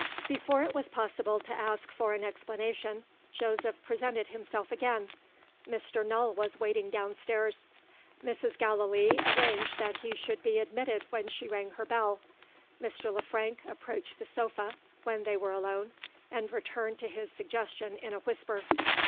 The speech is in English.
Before it was possible to ask for an explanation, Joseph presented himself again. Mr. Null was waiting downstairs. Mrs. Gallilee arranged that he should be admitted when she rang her bell. Mr. Le Frank approached the sofa, when they were alone, and returned to his suggestion in a whisper.